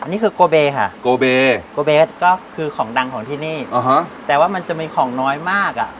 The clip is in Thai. นี่คือโกเบค่ะโกเบโกเบสก็คือของดังของที่นี่อ๋อฮะแต่ว่ามันจะมีของน้อยมากอ่ะ